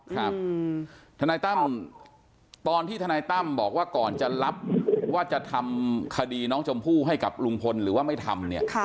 ทนายตั้มตอนที่ทนายตั้มบอกว่าก่อนจะรับว่าจะทำคดีน้องชมพู่ให้กับลุงพลหรือว่าไม่ทำเนี่ย